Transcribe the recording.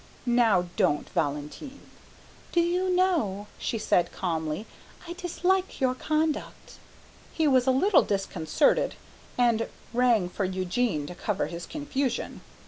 "Now don't, Valentine " "Do you know," she said calmly, "I dislike your conduct?" He was a little disconcerted, and rang for Eugene to cover his confusion.